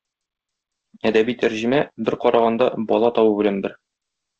Әдәби тәрҗемә, бер караганда, бала табу белән бер.